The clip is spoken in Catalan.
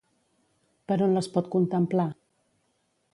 Per on les pot contemplar?